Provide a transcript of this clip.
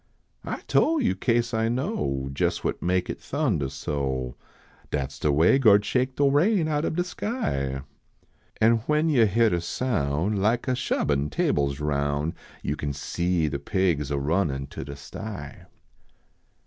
I tole yo kase I know, Jes what make it thundah so, Dat s de way Gord shake de rain out ob de skv; An when yo hyar de soun Like a shubbin" tables roun Yo can see de pigs a runnin to de sty.